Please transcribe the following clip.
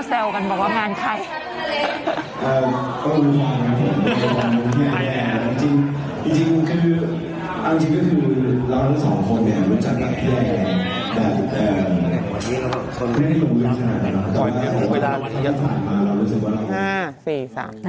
แต่วันนี้เขาไม่ได้รู้นึกแน่นอน